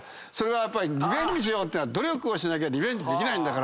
やっぱりリベンジしようっていうのは努力しなきゃリベンジできないから。